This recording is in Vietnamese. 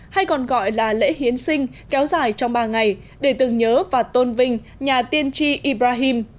hay còn gọi là lễ hiến sinh kéo dài trong ba ngày để từng nhớ và tôn vinh nhà tiên tri ibrahim